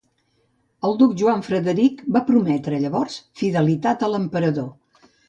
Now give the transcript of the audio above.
El duc Joan Frederic va prometre, llavors, fidelitat a l'Emperador.